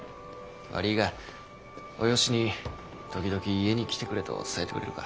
悪ぃがおよしに時々家に来てくれと伝えてくれるか。